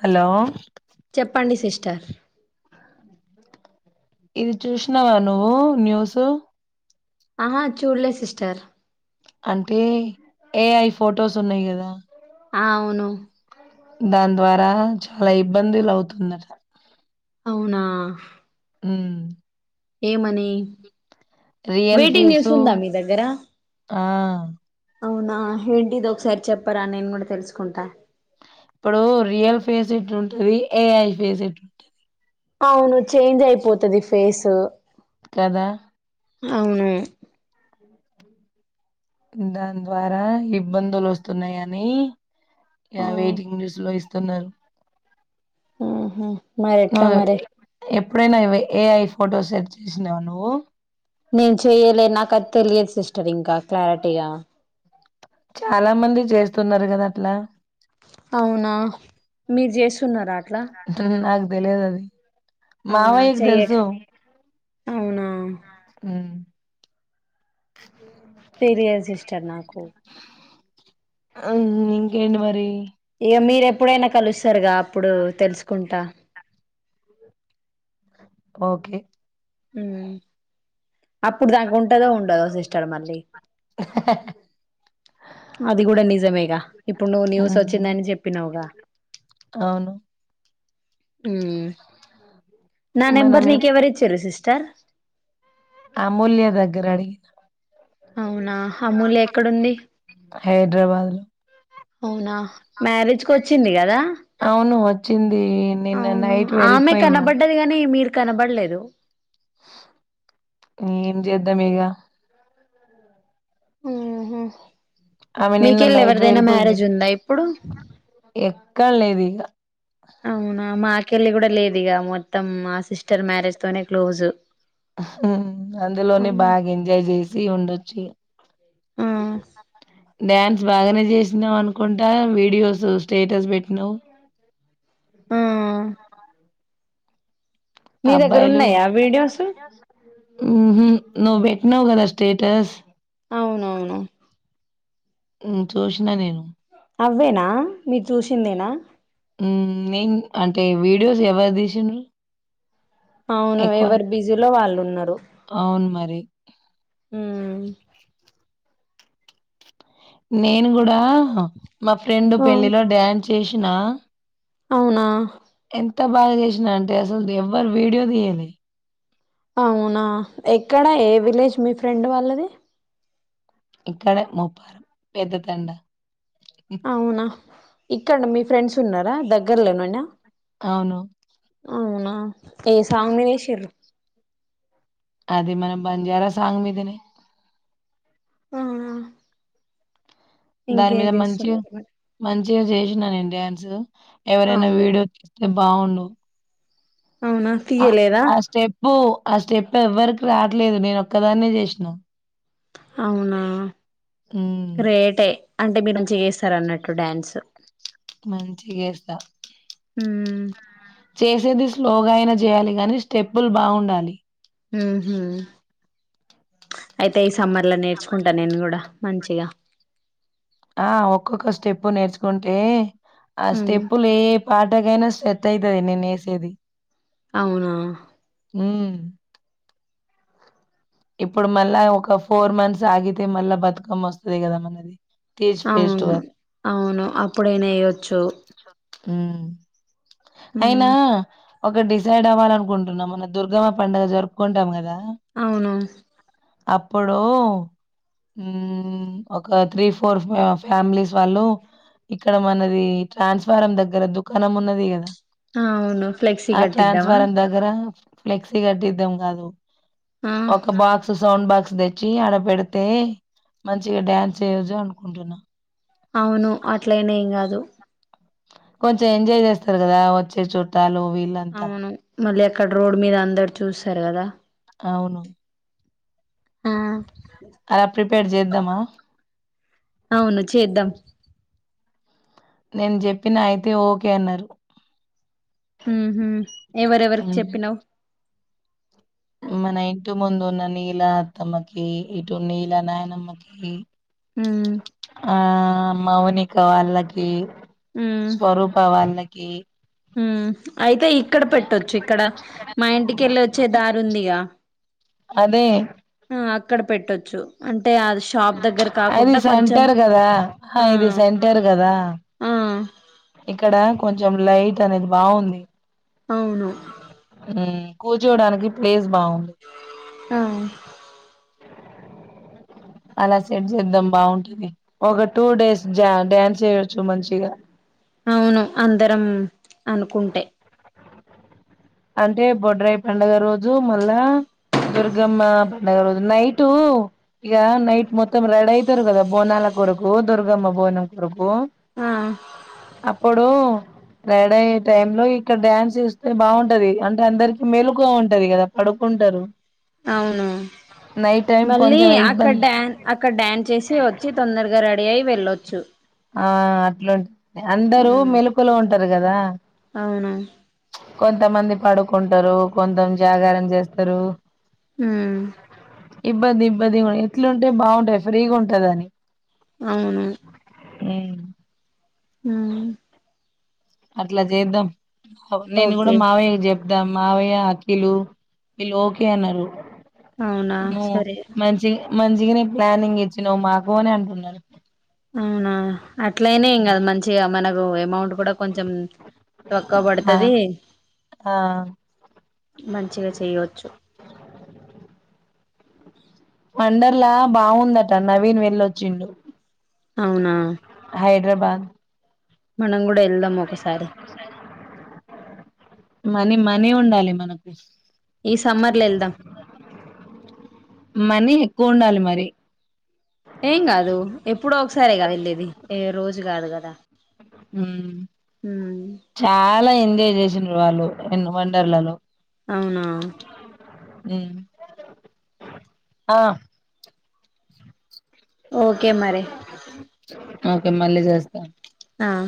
Hello ర్ ఇది చూసినవా నువ్వు న్యూస్ ఆహా చూడలే సిస్టర్ అంటే ఏఐ ఫొటోస్ ఉన్నాయి కదా ఆ అవును దాని ద్వారా చాలా ఇబ్బందులు అవుతుందట అవునా హామ్ ఏమని రియల్ వెయిటింగ్ న్యూస్ ఫీసు ఉందా మీ దగ్గర ఆ అవునా ఏంటి ఇది ఒకసారి చెప్పరా నేను కూడా తెలుసుకుంటా ఇప్పుడు రియల్ ఫేస్ ఎట్లా ఉంటది ఏఐ ఫేస్ ఎట్లా ఉంటది అవును చేంజ్ అయిపోతుది ఫేస్ కదా అవును దాని ద్వారా ఇబ్బందులు వస్తున్నాయి అని ఆ యా వెయిటింగ్ న్యూస్ లో ఇస్త తున్నారు ఆహ్ మరి ఎట్లా మరి ఎప్పుడైనా ఏఐ ఫోటో సెట్ చేసినావ నువ్వు నేను చెయ్యలే నాకు ఆది తెలియదు సిస్టర్ ఇంకా క్లారిటీగా చాలా మంది చేస్తున్నారు కదా అట్లా అవునా మీరు చేస్తున్నారా అట్లా అ [unintelligible] తెలవదు అది అవునా మావయ్య కు చెయ్యక తెలుసు అవునా అ తెలియదు సిస్టర్ నాకు అ ఇంకేంటి మరి ఇక మీరు ఎప్పుడైనా కలుస్తారుగా అప్పుడు తెలుసుకుంటా ఓకే అ అప్పుడు దాక ఉంటదో ఉండదో సిస్ జర్మన్లీ [unintelligible] హ్ హ్ హ్ అది కూడా నిజమేగా ఇప్పుడు నువ్వు న్యూస్ ఉమ్, వచ్చిందని చెప్పినావుగా అవును నా మనం నెంబర్ నీకు ఎప్- ఎవరి ఇచ్చిరు సిస్ట సిస్టర్ అమూల్య దగ్గర అడిగిన అవునా అమూల్య ఎక్కడుంది హైదరాబాద్ లో అవునా మ్యారేజ్కి వచ్చింది కదా అవును వచ్చింది నిన్న అవును నైట్ ఆమె వెళ్ళిపోయింద కనబడ్డది కాని మీరు కన బళ్లేదు ఏం చేద్దాం ఇక ఆ ఆమె నిన్న మీకెళ్ళి నైట్ ఎవరిదైనా మ్యారేజ్ వెళ్ళిపోయిందట ఉందా ఇప్పుడు ఎక్కడ లేదిగా అవునా మా కెళ్ళి కూడా లేదు ఇక మొత్తం మా సిస్టర్ మ్యారేజ్ తోనే క్లోజ్ ఉ అందులోనే అవును. బాగా ఎంజాయ్ చేసి ఉండొచ్చు ఇగ ఆ ఆ డ్యాన్స్ బాగానే చేసినావు అనుకుంటా వీడియోస్ స్టేటస్ పెట్టినవు ఆ మీ దగ్గర అబ్బాయిలు ఉన్నాయా వీడియోస్ ఉహు నువ్వు పెట్నావు్ కదా స్టేటస్ అవునవును చూసిన నేను అవ్వేనా మీరు చూసిందేనా నేను అంటే వీడియోస్ ఎవరు తీసిండ్రు అవును ఎక్కువ? ఎవరు బిజీలో వాళ్ళు ఉన్నారు అవును మరి ఊమ్ నేను గూడా మా ఫ్రెండు ఆ పెళ్లిలో డ్యాన్ చేేషిన అవునా ఎంత బాగా జేసిన అంటే అసలు ఎవ్వరు వీడియో తీయెలె అవునా ఎక్కడ ఏ విలేజ్ మీ ఫ్రెండ్ వాళ్ళది ఇక్కడ ముూప్పారం పెద్ద తండ అవునా ఇక్కడ మీ ఫ్రెండ్స్ ఉన్నారా దగ్గర్లోనేనా అవును అవునా ఏ సాంగ్మిదేశిండ్రు అది మన బంజారా సాంగ్ మీదనే ఆ ఆ దాని మీద మంచిగా చేస్తున్నారు మరి మంచిగా చేశి నిన్న నేన్ డ్యాన్సు ఎవరైనా అవును వీడియో తీస్తే బాగుండు అవునా తీయలేదా ఆ స్టెప్పు, ఆ స్టెప్ ఎవ్వరికి రాట్లేదు నేను ఒక్కదాన్నే జేష్ణా అవునా హ్మ్. గ్రేటే అంటే మీరు మంచి చేస్తారన్నట్టు టు డాన్స్ మంచిగేస్తా ఉమ్ చేసేది స్లోగా అయినా చేయాలి గానీ స్టెప్పులు బాగుండాలి ఊహ్మ్ అయితే ఈ సమ్మర్ ల నేర్చుకుంటా నేను కూడా మంచిగా ఆ ఒక్కొక్క స్టెప్పు నేర్చుకుంటే ఉమ్ అస్టేపులే ఏ పా గనో సెట్ ఐతది నేను ఏసేది అవునా ఊమ్ ఇప్పుడు మళ్ళా ఒక ఫోర్ మంత్స్ ఆగితే మళ్ళా బతుకమ్మ ఒస్తది కదా మనది తీజ్ అవును ఫెస్టివల్ అవును అప్పుడైనా ఎయ్యచ్చు [unintelligible] అయినా ఒక డిసైడ్ అవ్వాల అనుకుంటున్న మొన్న దుర్గమ పండుగ జరుపుకుంటాం గదా అవును అప్పుడూ ఊమ్ ఒక త్రీ ఫోర్ ఫ్యా ఫ్యామిలీస్ వాళ్ళు ఇక్కడ మనది ట్రాన్స్ఫారం దగ్గర దుకాణం ఉన్నది గదా ఆ! అవును ఫ్లెక్సీ ఆ కట్టిద్దామా ట్రాన్స్ఫారం దగ్గర ఫ్లెక్సీ కట్టిద్దాం కాదు ఆ ఒక బాక్ సౌండ్ బాక్స్ తెచ్చి ఆడ పెడితే మంచిగా డ్యాన్స్ చేయొచ్చు అనుకుంటున్నా అవును అట్లయిన ఏం కాదు కొంచెం ఎంజాయ్ చేస్తారు కదా వచ్చే చుట్టాలు వీళ్లంతా అవును మళ్ళీ అక్కడ రోడ్ మీద అందరు చూస్తారు కదా అవును హ్మ్ అలా ప్రిపేర్ చేద్దామా అవును చేద్దాం నేను చెప్పిన అయితే ఓకే అన్నారు ఉహ్మ్ ఎవరెవరికి ఉమ్. చెప్పినావు మన ఇంటి ముందు ఉన్న నీల అత్తమ్మకి ఇటు నీల నాయనమ్మకి మ్మ్ ఆ మౌనిక వాళ్లకి ఉమ్ స్వరూప వాళ్ళకి ఇ ఉమ్ అయితే ఇక్కడ పెట్టొచ్చు ఇక్కడ మా ఇంటికెళ్ళి వచ్చే దారి ఉందిగా అదే ఆ అక్కడ పెట్టొచ్చు అంటే అంటే అది షాప్ దగ్గర అది కాకుండా కొంచెం సెంటర్ కదా ఆ ఇది సెంటర్ కదా ఆ ఇక్కడ కొంచెం లైట్ అనేది బాగుంది అవును కూర్చోవడానికి ప్లేసు బాగుంది ఆ అలా సెట్ చేద్దాం బాగుంటది ఒక టూ డేస్ డ్యాన్స్ చేయచ్చు మంచిగా అవును అందరం అనుకుంటే అంటే బొడ్రాయి పండుగ రోజు మళ్ళా దుర్గమ్మ పండగ రోజు నైటు ఇగ నైట్ మొత్తం రెడీ అయితారు కదా బోనాల కొరకు దుర్గమ్మ బోనం కొరకు ఆ అ ఇప్పుడు రెడి అయ్యే టైం లో ఇక్కడ డ్యాన్స్ చేస్తే బాగుం ఉంటది అంటే అందరికి మేలుకువ ఉంటది కదా పడుకుంటరు అవును మళ్ళీ కొంచెం అక్కడ ఇబ్బంది డ్యాన్ అక్కడ డాన్స్ చేసి వచ్చి తొందరగా రెడీ అయి వెళ్ళొచ్చు ఆ అట్లుంట్ అందరూ ఉమ్ మెలుకువ లో టరు కదా అవును కొంతమంది పడుకుంటరు కొంత జాగారం చేస్తారు ఉహ్ ఇబ్బంది ఇబ్బంది ఎట్లుంటే బాగుంటది ఫ్రీగుంటదని అవును హ్మ్ ఉహ్ అట్లా చేద్దాం నేను కూడా ఓకే మావయ్య చెప్ ద మావయ్య అఖిలు వీళ్ళు ఓకే అన్నారు అవునా ను సరే మంచి మంచిగనే నీ ప్లానింగ్ ఇచ్చినావ్ మాకు అని అంటున్నరు అవునా అట్లయిన ఏం కాదు మంచిగా మనక్ డు అమౌంట్ కూడా కొంచెం తక్కువ ఆ పడుతుది ఆ మంచిగా చేయోచ్చు వండర్లా బాగుందట నవీన్ వెళ్ళొచ్చిండు అవునా దరాబాద్ మనం కూడా ఎల్ల్దం ఒకసారి మనీ మనీ ఉండాలి మనకు ఈ సమ్మర్ల ఎల్ల్దం కొండాలి మరి లేది ఏ రోజు కాదు కదా హ్మ్ ఉమ్ చాలా ఎన్ జాయ్ చేసిన్రు వాళ్ళు ఎన్ వండర్లా లో అవునా హ్మ్ ఆ ఓకే మరి ఓకే మళ్ళీ చేస్తాను ఆ